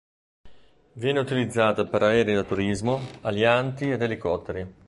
Viene utilizzato per aerei da turismo, alianti ed elicotteri.